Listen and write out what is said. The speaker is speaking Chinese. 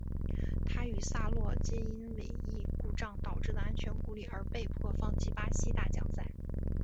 他与萨洛皆因尾翼故障导致的安全顾虑而被迫放弃巴西大奖赛。